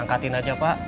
angkatin aja pak